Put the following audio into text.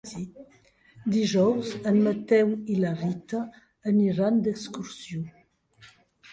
Dijous en Mateu i na Rita aniran d'excursió.